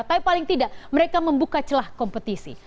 tapi paling tidak mereka membuka celah kompetisi